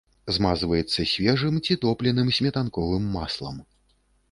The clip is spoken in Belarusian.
Змазваецца свежым ці топленым сметанковым маслам.